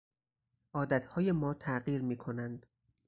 عادتهای ما تغییر میکنند